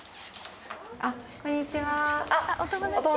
あっこんにちは。